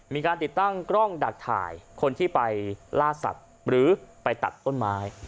มีการติดตั้งกล้องดักถ่ายคนที่ไปล่าสัตว์หรือไปตัดต้นไม้